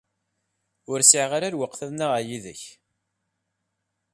Ur sɛiɣ ara lweqt ad nnaɣeɣ yid-k.